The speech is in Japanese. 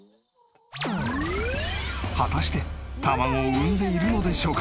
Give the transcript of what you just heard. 果たして卵を産んでいるのでしょうか？